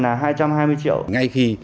là hai trăm hai mươi triệu ngay khi